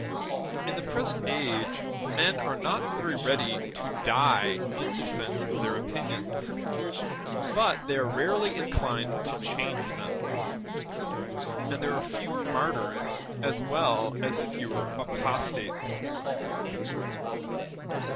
In the present age men are not very ready to die in defence of their opinions, but they are rarely inclined to change them; and there are fewer martyrs as well as fewer apostates.